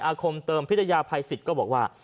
อาคมเติมพิจัยภัยศิษย์ก็บอกว่า